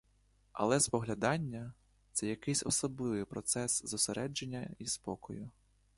Але споглядання — це якийсь особливий процес зосередження й спокою.